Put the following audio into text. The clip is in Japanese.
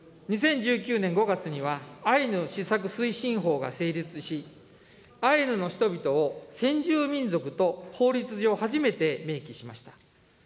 ２０１９年５月には、アイヌ施策推進法が成立し、アイヌの人々を先住民族と法律上初めて明記しました。